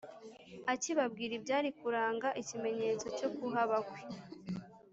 Akibabwira ibyari kuranga ikimenyetso cyo kuhaba kwe